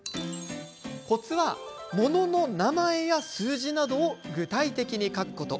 コツは、物の名前や数字などを具体的に書くこと。